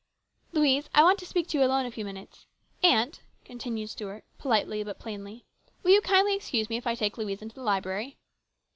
" Louise, I want to speak to you alone a few minutes. Aunt," continued Stuart politely, but plainly, " will you kindly excuse me if I take Louise into the library?"